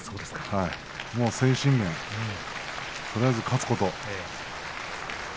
もう精神面、とりあえず勝つこと。